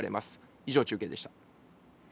以上、中継でした。